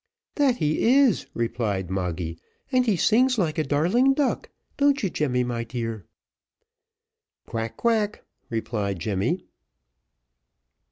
"That he is," replied Moggy; "and he sings like a darling duck. Don't you, Jemmy, my dear?" "Quack, quack," replied Jemmy.